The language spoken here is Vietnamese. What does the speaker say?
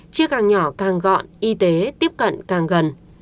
chiếc càng nhỏ càng gọn y tế tiếp cận càng gần